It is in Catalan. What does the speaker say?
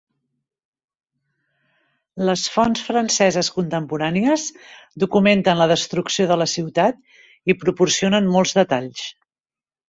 Les fonts franceses contemporànies documenten la destrucció de la ciutat i proporcionen molts detalls.